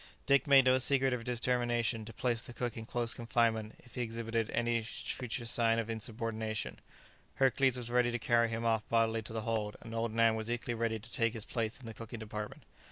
Dick made no secret of his determination to place the cook in close confinement if he exhibited any future sign of insubordination. Hercules was ready to carry him off bodily to the hold, and old Nan was equally ready to take his place in the cooking department.